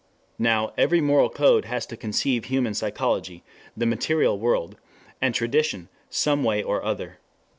Now every moral code has to conceive human psychology, the material world, and tradition some way or other.